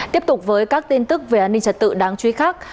tiếp tục với các tin tức về an ninh trật tự đáng chú ý khác